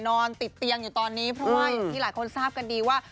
นอนติดเตียงอยู่ตอนนี้เพราะว่าอย่างที่หลายคนทราบกันดีว่า